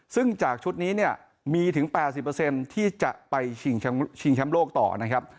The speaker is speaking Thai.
ซึ่งจากชุดนี้เนี่ยมีถึงแปดสิบเปอร์เซ็นต์ที่จะไปชิงช้ำโลกต่อนะครับ